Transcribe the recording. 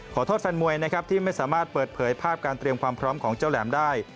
แฟนมวยนะครับที่ไม่สามารถเปิดเผยภาพการเตรียมความพร้อมของเจ้าแหลมได้